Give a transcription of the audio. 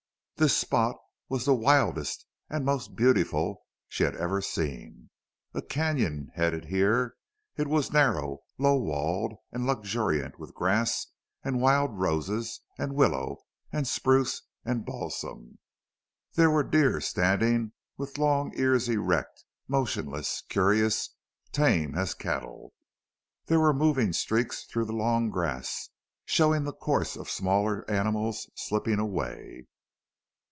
This spot was the wildest and most beautiful she had ever seen. A canon headed here. It was narrow, low walled, and luxuriant with grass and wild roses and willow and spruce and balsam. There were deer standing with long ears erect, motionless, curious, tame as cattle. There were moving streaks through the long grass, showing the course of smaller animals slipping away.